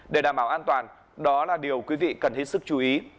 để đảm bảo an toàn đó là điều quý vị cần hết sức chú ý